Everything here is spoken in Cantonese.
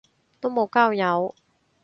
都無交友